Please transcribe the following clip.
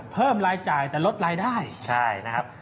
เพิ่มรายจ่ายแต่ลดรายได้ใช่นะครับ